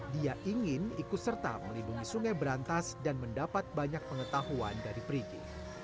dia ingin ikut serta melindungi sungai berantas dan mendapat banyak pengetahuan dari perigi